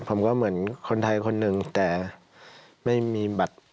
ผมก็เหมือนคนไทยคนหนึ่งแต่ไม่มีบัตร